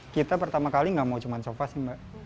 kita pertama kali gak mau cuman sofa sih mbak